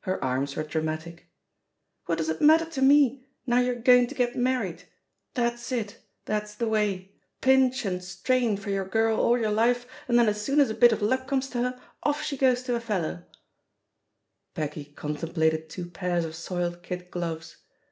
Her arms were dramatic. "What does it matter to me, now you're going to get married? That's it, that's the way — pinch and strain for your girl all your life, and THE POSITION OF PEGGY HARPER «89 then as soon as a bit of luck comes to her, off she goes to a fellow I" Peggy contemplated two pairs of soiled kid gloves.